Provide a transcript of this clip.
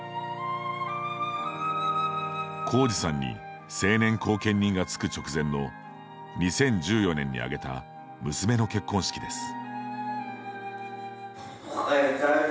浩直さんに成年後見人がつく直前の２０１４年に挙げた娘の結婚式です。